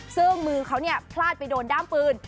ซึ่งมือเขาพลาดไปโดนด้ามปืน